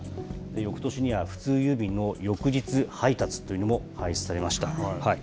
よくとしには普通郵便の翌日配達というのも廃止されました。